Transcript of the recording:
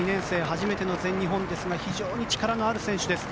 初めての全日本ですが非常に力のある選手です。